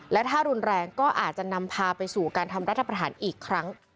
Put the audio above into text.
และถ้ารุนแรงก็อาจจะนำพาไปสู่การทำรัฐประหารอีกครั้ง